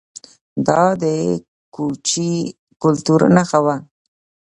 دا د کوچي کلتور نښه وه